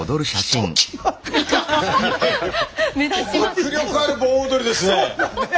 迫力ある盆踊りですね！